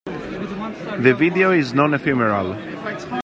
The video is non-ephemeral.